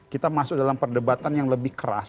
kita masuk dalam perdebatan yang lebih keras